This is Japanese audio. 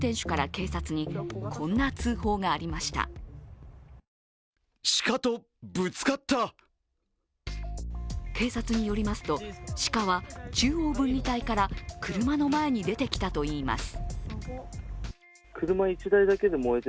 警察によりますと鹿は中央分離帯から車の前に出てきたといいます。